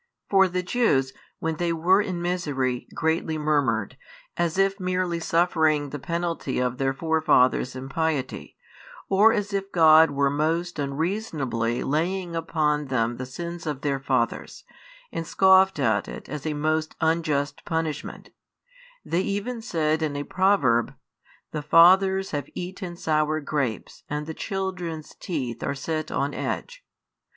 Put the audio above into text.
For the Jews, when they were in misery, greatly murmured, as if merely suffering the penalty of their forefathers' impiety, or as if God were most unreasonably laying upon them the sins of their fathers, and scoffed at it as a most unjust punishment; they even said in a proverb: The fathers have eaten sour grapes and the children's teeth are set on edge.